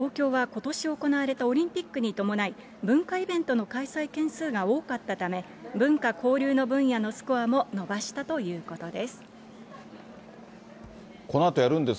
また東京は、ことし行われたオリンピックに伴い、文化イベントの開催件数が多かったため、文化・交流の分野のスコアも伸ばしたということです。